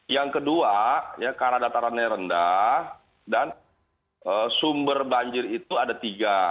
yang kedua karena datarannya rendah dan sumber banjir itu ada tiga